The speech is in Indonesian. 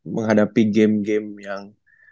menghadapi game game yang